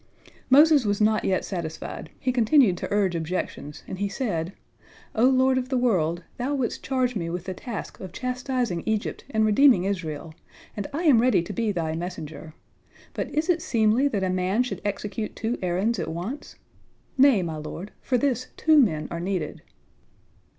" Moses was not yet satisfied, he continued to urge objections, and he said: "O Lord of the world, Thou wouldst charge me with the task of chastising Egypt and redeeming Israel, and I am ready to be Thy messenger. But is it seemly that a man should execute two errands at once? Nay, my Lord, for this two men are needed."